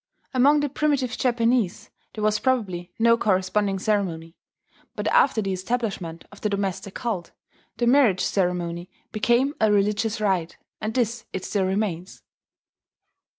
Among the primitive Japanese there was probably no corresponding ceremony; but after the establishment of the domestic cult, the marriage ceremony became a religious rite, and this it still remains.